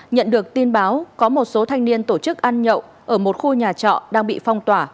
nhận được tin báo có một số thanh niên tổ chức ăn nhậu ở một khu nhà trọ đang bị phong tỏa